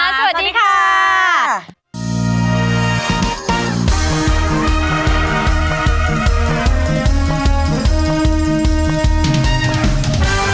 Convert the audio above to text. สวัสดีค่ะ